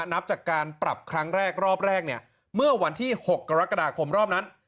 นับจากการปรับครั้งแรกรอบแรกเนี่ยเมื่อวันที่๖กรกฎาคมรอบนั้น